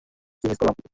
কী miss করলাম?